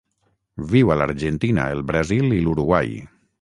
Viu a l'Argentina, el Brasil i l'Uruguai.